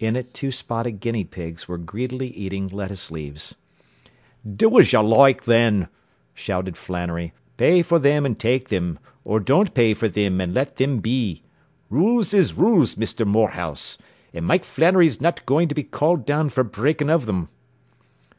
In it two spotted guinea pigs were greedily eating lettuce leaves. “Do as you loike, then!” shouted Flannery, “pay for thim an' take thim, or don't pay for thim and leave thim be. Rules is rules, Misther Morehouse, an' Mike Flannery's not goin' to be called down fer breakin' of thim.